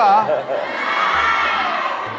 อร่อย